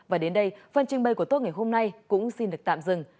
và đến đây phần trình bày của tốt ngày hôm nay cũng xin được tạm dừng